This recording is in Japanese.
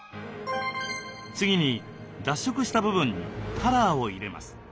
次に脱色した部分にカラーを入れます。